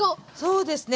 そうですね。